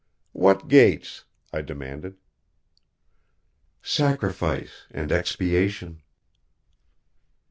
"What gates?" I demanded. "Sacrifice and expiation."